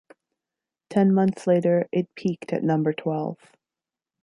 Ten months later, it peaked at number twelve.